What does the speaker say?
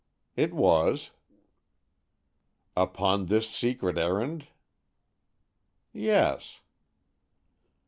"It was." "Upon this secret errand?" "Yes."